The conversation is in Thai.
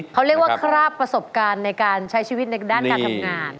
เขาเรียกว่าคราบประสบการณ์ในการใช้ชีวิตในด้านการทำงาน